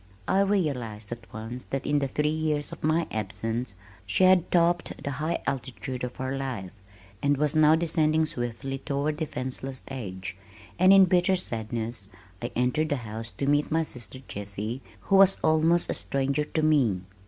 I realized at once that in the three years of my absence she had topped the high altitude of her life and was now descending swiftly toward defenseless age, and in bitter sadness I entered the house to meet my sister Jessie who was almost a stranger to me.